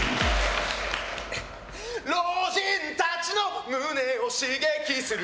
老人たちの胸を刺激する。